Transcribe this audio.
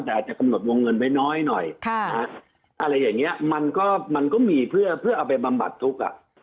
แต่อาจจะกำหนดวงเงินไว้น้อยหน่อยอะไรอย่างนี้มันก็มันก็มีเพื่อเอาไปบำบัดทุกข์